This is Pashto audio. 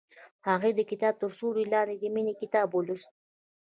هغې د کتاب تر سیوري لاندې د مینې کتاب ولوست.